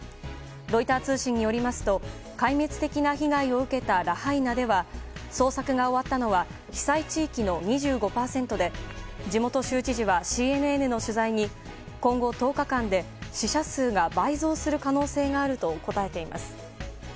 ロイター通信によりますと壊滅的な被害を受けたラハイナでは捜索が終わったのは被災地域の２５％で地元州知事はＣＮＮの取材に今後１０日間で死者数が倍増する可能性があると答えています。